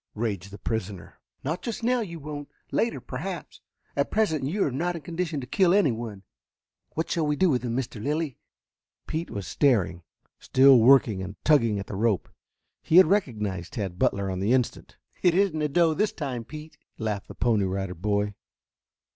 raged the prisoner. "Not just now you won't. Later, perhaps. At present you are not in condition to kill anyone. What shall we do with him, Mr. Lilly?" Pete was staring, still working and tugging at the rope. He had recognized Tad Butler on the instant. "It isn't a doe this time, Pete," laughed the Pony Rider Boy.